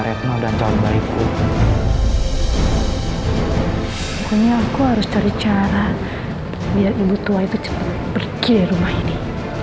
retno dan calon baikku aku harus cari cara dia ibu tua itu cepet pergi rumah ini